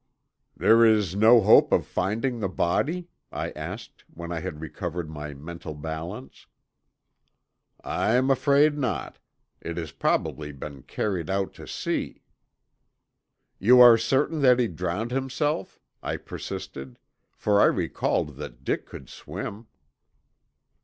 "There is no hope of finding the body?" I asked when I had recovered my mental balance. "I'm afraid not. It has probably been carried out to sea." "You are certain that he drowned himself," I persisted, for I recalled that Dick could swim.